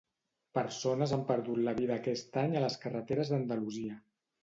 Persones han perdut la vida aquest any a les carreteres d'Andalusia.